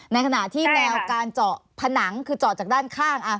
ในขณะที่แนวการเจาะผนังคือเจาะจากด้านข้าง